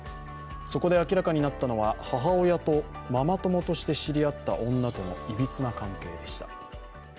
そこで明らかになったのは、母親とママ友として知り合った女とのいびつな関係でした。